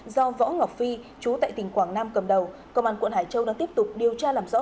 do võ ngọc phi chú tại tỉnh quảng nam cầm đầu công an quận hải châu đang tiếp tục điều tra làm rõ